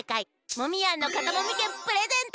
モミヤンのかたもみけんプレゼント！